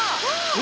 え。